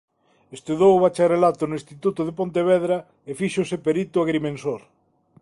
Estudou o Bacharelato no Instituto de Pontevedra e fíxose perito agrimensor.